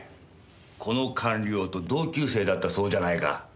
この官僚と同級生だったそうじゃないか。